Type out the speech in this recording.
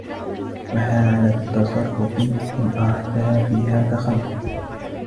وَحَالَةُ تَصَرُّفٍ إنْ أَرَحْتهَا فِيهَا تَخَلَّتْ